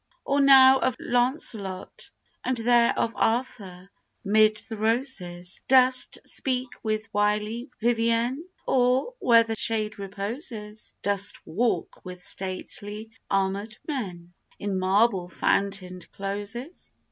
Or now of Launcelot, and then Of Arthur, 'mid the roses, Dost speak with wily Vivien? Or, where the shade reposes, Dost walk with stately, armored men In marble fountained closes?